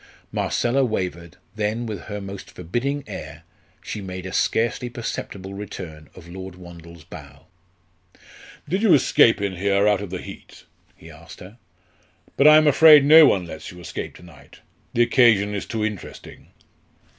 Marcella wavered; then, with her most forbidding air, she made a scarcely perceptible return of Lord Wandle's bow. "Did you escape in here out of the heat?" he asked her. "But I am afraid no one lets you escape to night. The occasion is too interesting."